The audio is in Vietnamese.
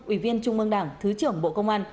ủy viên trung mương đảng thứ trưởng bộ công an